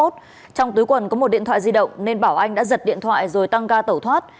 trong túi quần có một điện thoại di động nên bảo anh đã giật điện thoại rồi tăng ga tẩu thoát